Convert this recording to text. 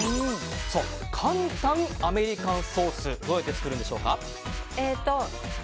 簡単アメリカンソースどうやって作るんでしょうか。